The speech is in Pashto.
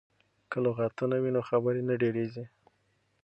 که لغتونه وي نو خبرې نه دریږي.